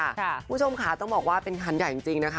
คุณผู้ชมค่ะต้องบอกว่าเป็นคันใหญ่จริงนะคะ